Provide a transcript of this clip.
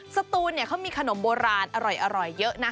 สตูนเขามีขนมโบราณอร่อยเยอะนะ